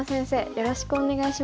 よろしくお願いします。